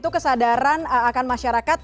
kesadaran akan masyarakat